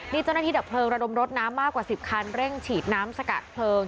นี่เจ้าหน้าที่ดับเพลิงระดมรถน้ำมากกว่า๑๐คันเร่งฉีดน้ำสกัดเพลิง